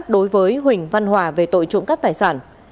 đối với huỳnh văn hòa về tội trộm cắp tài sản